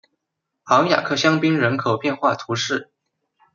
昂雅克香槟人口变化图示